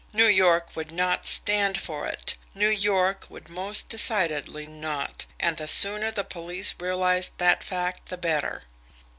New York would not stand for it New York would most decidedly not and the sooner the police realised that fact the better!